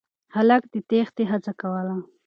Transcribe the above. هلک د تېښتې هڅه کوله.